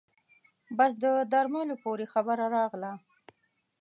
بس د درملو پورې خبره راغله.